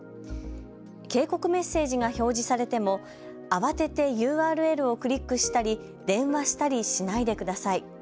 警告メッセージが表示されても慌ててＵＲＬをクリックしたり電話したりしないでください。